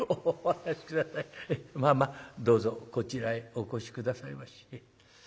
まあまあどうぞこちらへお越し下さいまし。